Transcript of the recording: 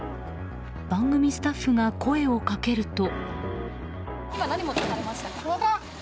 番組スタッフが声をかけると。